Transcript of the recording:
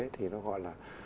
thì nó gọi là